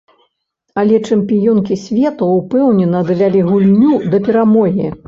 Але чэмпіёнкі свету ўпэўнена давялі гульню да перамогі.